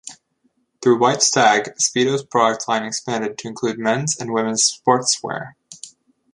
Through White Stag, Speedo's product line expanded to include men's and women's sportswear.